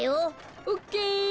オッケー！